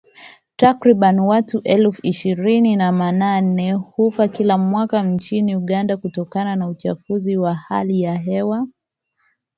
Takriban watu elfu ishirini na wanane hufa kila mwaka nchini Uganda kutokana na uchafuzi wa hali ya hewa.